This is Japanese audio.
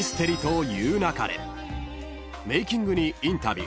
［メイキングにインタビュー］